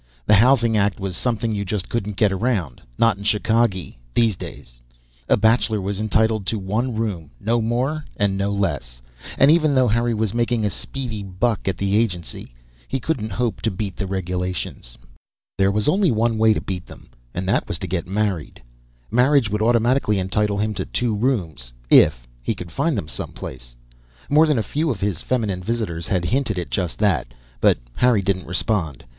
The Housing Act was something you just couldn't get around; not in Chicagee these days. A bachelor was entitled to one room no more and no less. And even though Harry was making a speedy buck at the agency, he couldn't hope to beat the regulations. There was only one way to beat them and that was to get married. Marriage would automatically entitle him to two rooms if he could find them someplace. More than a few of his feminine visitors had hinted at just that, but Harry didn't respond.